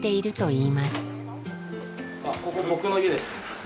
あっここ僕の家です。